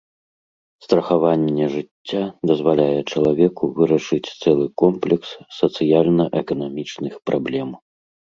Страхаванне жыцця дазваляе чалавеку вырашыць цэлы комплекс сацыяльна-эканамічных праблем.